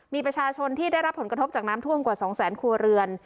มีประชาชนที่ได้รับผลกระทบจากน้ำท่วมกว่า๒แสนครัวเรือน